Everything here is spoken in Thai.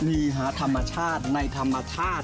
มีหาธรรมชาติในธรรมชาติ